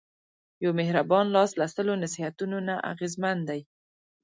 یو مهربان لاس له سلو نصیحتونو نه اغېزمن دی.